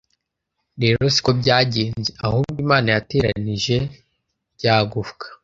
rero siko byagenze ahubwo Imana yateranije rya gufwa